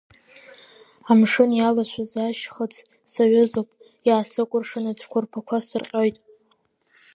Амшын иалашәаз ашьхыц саҩызоуп, иаасыкәыршан ацәқәырԥқәа сырҟьоит.